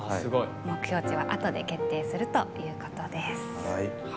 目標値はあとで決定するということです。